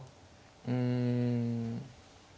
うん。